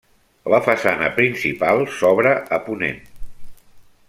La façana principal s'obre a ponent.